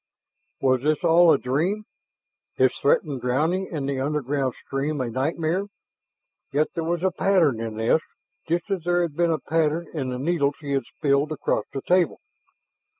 Was this all a dream? His threatened drowning in the underground stream a nightmare? Yet there was a pattern in this, just as there had been a pattern in the needles he had spilled across the table.